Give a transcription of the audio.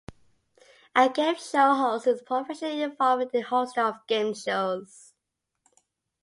A game show host is a profession involving the hosting of game shows.